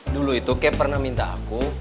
dulu itu kep pernah minta aku